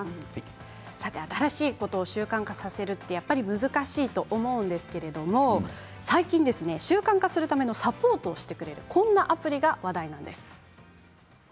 新しいことを習慣化させるのは難しいと思うんですけれども最近習慣化するためのサポートをしてくれるこんなアプリが話題なんです。